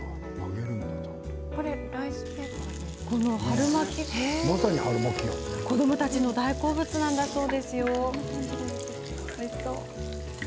この春巻き、子どもたちの大好物なんだそうです。